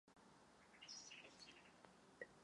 Později vydala další čtyři studiová alba.